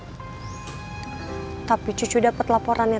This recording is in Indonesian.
eha kan sudah biasa mengerjakan kerjaan rumah